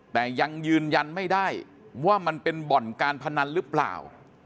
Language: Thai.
แต่ยังยืนยันไม่ได้ว่ามันเป็นบ่อนการพนันหรือเปล่า